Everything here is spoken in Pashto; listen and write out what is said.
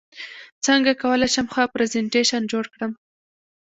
څنګه کولی شم ښه پرزنټیشن جوړ کړم